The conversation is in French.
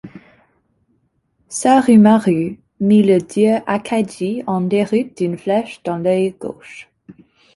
Sarumaru mit le dieu Akagi en déroute d'une flèche dans l'œil gauche.